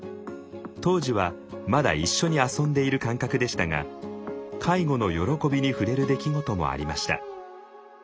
当時はまだ一緒に遊んでいる感覚でしたが介護の喜びに触れる出来事もありました。